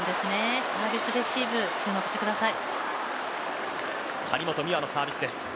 サービス、レシーブ、注目してください。